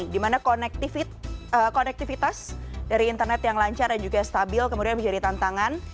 dimana konektivitas dari internet yang lancar dan juga stabil kemudian menjadi tantangan